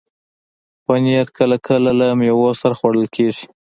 پنېر کله کله له میوو سره خوړل کېږي.